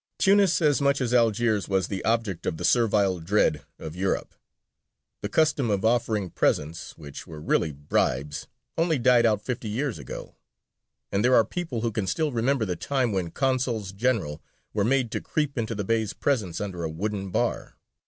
Tunis as much as Algiers was the object of the servile dread of Europe. The custom of offering presents, which were really bribes, only died out fifty years ago, and there are people who can still remember the time when consuls general were made to creep into the Bey's presence under a wooden bar.